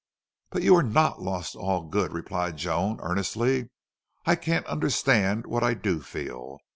"But you're NOT lost to all good," replied Joan, earnestly. "I can't understand what I do feel.